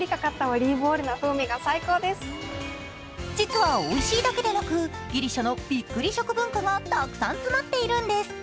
実はおいしいだけでなくギリシャのびっくり食文化がたくさん詰まっているんです。